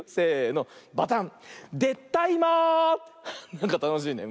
なんかたのしいね。